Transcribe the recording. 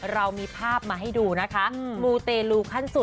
เรามีภาพมาให้ดูนะคะมูเตลูขั้นสุด